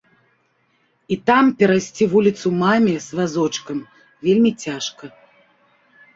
І там перайсці вуліцу маме з вазочкам вельмі цяжка.